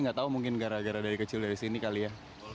nggak tahu mungkin gara gara dari kecil dari sini kali ya